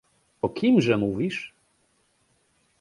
"O kimże mówisz?"